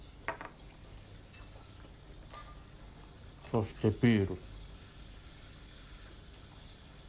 そしてビール。